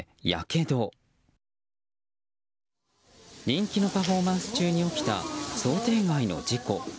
人気のパフォーマンス中に起きた想定外の事故。